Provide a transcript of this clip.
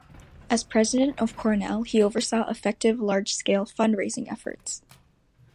As president of Cornell, he oversaw effective large-scale fundraising efforts.